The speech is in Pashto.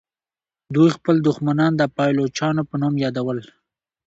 دوی خپل دښمنان د پایلوچانو په نوم یادول.